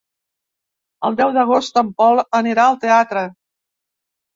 El deu d'agost en Pol anirà al teatre.